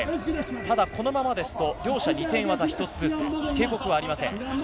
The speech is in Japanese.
ただこのままだと両者に点技１つずつ、警告はありません。